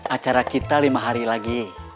acara kita lima hari lagi